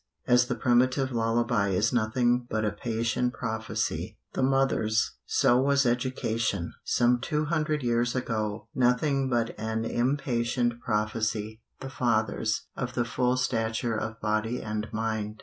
As the primitive lullaby is nothing but a patient prophecy (the mother's), so was education, some two hundred years ago, nothing but an impatient prophecy (the father's) of the full stature of body and mind.